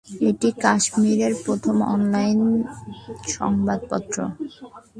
এটি কাশ্মিরের প্রথম অনলাইন সংবাদপত্র।